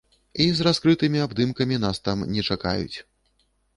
І з раскрытымі абдымкамі нас там не чакаюць.